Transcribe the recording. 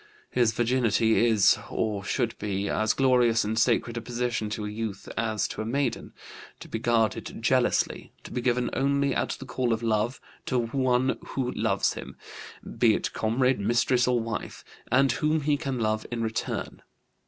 His virginity is, or should be, as glorious and sacred a possession to a youth as to a maiden; to be guarded jealously; to be given only at the call of love, to one who loves him be it comrade, mistress, or wife and whom he can love in return.